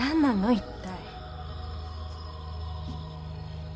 一体。